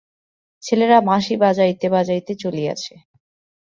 ছেলেরা বাঁশি বাজাইতে বাজাইতে চলিয়াছে।